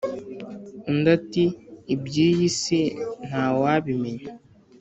undi ati: iby’iyi si ntawabimenya